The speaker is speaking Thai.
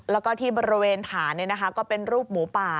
แล้วก็ที่บริเวณฐานก็เป็นรูปหมูป่า